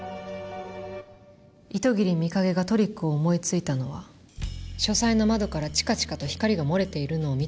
糸切美影がトリックを思いついたのは書斎の窓からチカチカと光が漏れているのを見たからです。